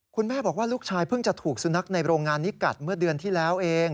คุณแม่บอกว่าลูกชายเพิ่งจะถูกสุนัขในโรงงานนี้กัดเมื่อเดือนที่แล้วเอง